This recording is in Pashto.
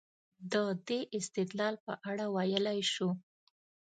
د دې استدلال په اړه ویلای شو.